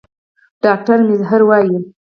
ډاکټر میزهر وايي